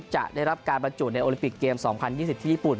จะได้รับการบรรจุในโอลิปิกเกม๒๐๒๐ที่ญี่ปุ่น